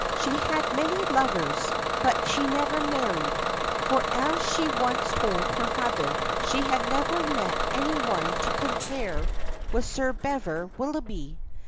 She had many lovers, but she never married; for, as she once told her mother, she had never met any one to compare with Sir Bever Willoughby.